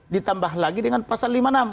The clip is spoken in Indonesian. ditambah lagi dengan pasal lima puluh enam